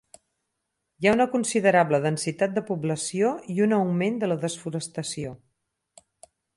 Hi ha una considerable densitat de població i un augment de la desforestació.